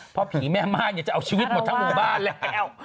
เพราะผีแม่ม่ายจะเอาชีวิตหมดทั้งหมู่บ้านแล้ว